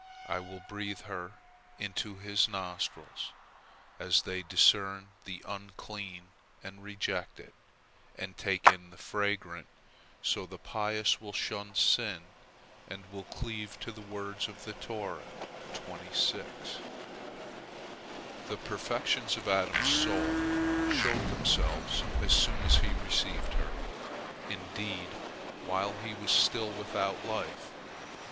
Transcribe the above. I will breathe her into his nostrils; as they discern the unclean and reject it, and take in the fragrant, so the pious will shun sin, and will cleave to the words of the Torah" The perfections of Adam's soul showed themselves as soon as he received her, indeed, while he was still without life.